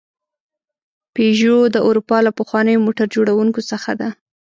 پيژو د اروپا له پخوانیو موټر جوړونکو څخه ده.